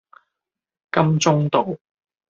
金鐘道